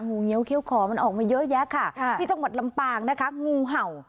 เงี้ยเขี้ยขอมันออกมาเยอะแยะค่ะที่จังหวัดลำปางนะคะงูเห่า